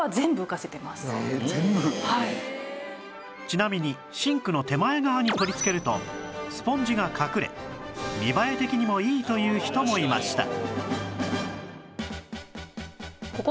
ちなみにシンクの手前側に取りつけるとスポンジが隠れ見栄え的にもいいという人もいました